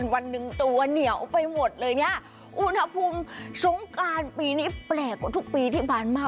วันหนึ่งตัวเหนียวไปหมดเลยเนี่ยอุณหภูมิสงการปีนี้แปลกกว่าทุกปีที่ผ่านมา